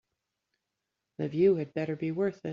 The view had better be worth it.